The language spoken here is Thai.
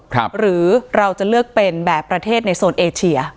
หรือเราจะเลือกเป็นแบบประเทศในโซนเอเชีย